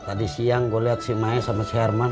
tadi siang gue liat si maya sama si herman